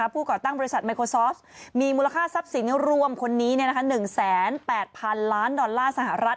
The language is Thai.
ก่อตั้งบริษัทไมโครซอสมีมูลค่าทรัพย์สินรวมคนนี้๑๘๐๐๐ล้านดอลลาร์สหรัฐ